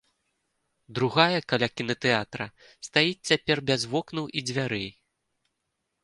Другая, каля кінатэатра, стаіць цяпер без вокнаў і дзвярэй.